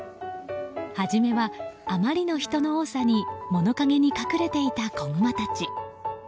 初めは、あまりの人の多さに物陰に隠れていた子グマたち。